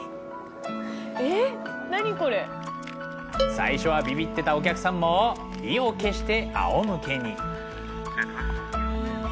最初はびびってたお客さんも意を決してあおむけに。